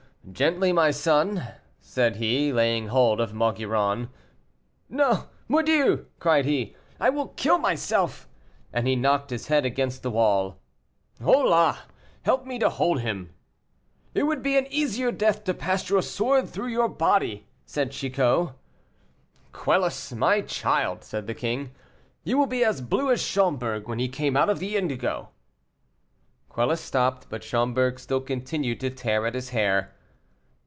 "Gently, my son," said he, laying hold of Maugiron. "No! mordieu!" cried he, "I will kill myself!" and he knocked his head against the wall. "Hola! help me to hold him." "It would be an easier death to pass your sword through your body!" said Chicot. "Quelus, my child," said the king, "you will be as blue as Schomberg when he came out of the indigo." Quelus stopped, but Schomberg still continued to tear at his hair.